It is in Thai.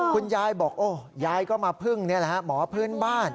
คุณยายบอกยายก็มาพึ่งหมอพื้นบ้าน